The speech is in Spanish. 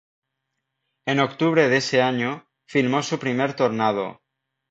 En octubre de ese año, filmó su primer tornado.